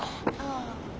ああ。